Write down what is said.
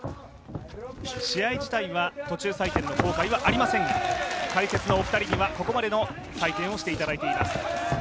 試合自体は途中採点の公開はありませんが解説のお二人にはここまでの採点をしていただいています。